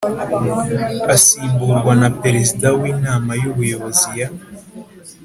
Asimburwa na perezida w inama y ubuyobozi ya